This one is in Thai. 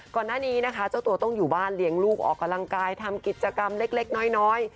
ก่อนหน้านี้นะคะเจ้าตัวต้องอยู่บ้านเลี้ยงลูกออกกำลังกายทำกิจกรรมเล็กน้อย